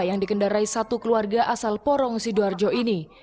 yang dikendarai satu keluarga asal porong sidoarjo ini